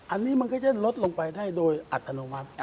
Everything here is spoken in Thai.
อันนี้มันก็จะลดลงไปได้โดยอัตโนมัติ